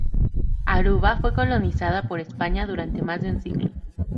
Aruba fue colonizada por España durante más de un siglo.